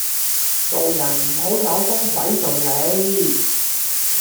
做人唔好有風使盡 𢃇